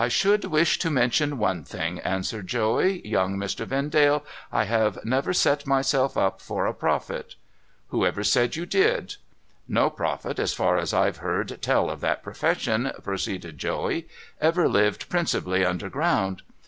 ' 1 should wish to mention one thing,' answered Joey. ' Young Mr. Vendale, I have never set myself up for a prophet.' JOEY LADLE'S PROPHECY REALISED 529 * Who ever said you did ?'' No prophet, as far as I've heard tell of that profession,' pro ceeded Joey, ' ever lived principally underground.